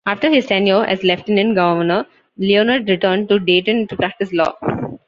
After his tenure as lieutenant governor, Leonard returned to Dayton to practice law.